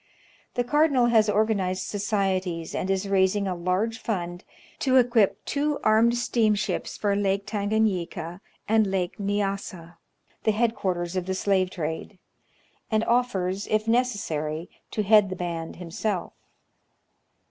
The cardinal has organized societies, and is raising a large fund to equip two armed steamships for Lake Tanganyika and Lake Nyassa, the headquarters of the slave trade, and offers, if necessary, to head the band himself.